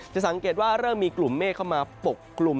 สังเกตว่าเริ่มมีกลุ่มเมฆเข้ามาปกกลุ่ม